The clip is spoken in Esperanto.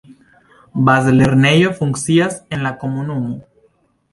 Bazlernejo funkcias en la komunumo.